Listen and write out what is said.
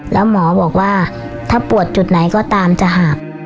แล้วหมอบอกว่าถ้าปวดจุดไหนก็ตามจะหัก